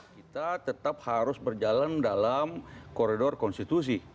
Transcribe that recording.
kita tetap harus berjalan dalam koridor konstitusi